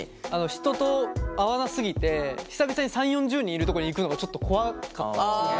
人と会わな過ぎて久々に３０４０人いるとこに行くのがちょっと怖かった。